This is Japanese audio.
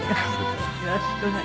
よろしくお願い。